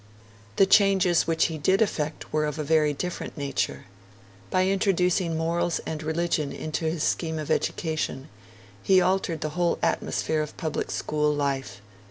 The changes which he did effect were of a very different nature. By introducing morals and religion into his scheme of education, he altered the whole atmosphere of public school life.